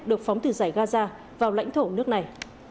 được phóng từ giải gaza vào lãnh thổ nước này